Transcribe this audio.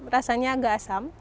rasanya agak asam